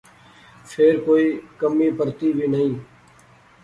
فیر کوئِی کمی پرتی وی نئیں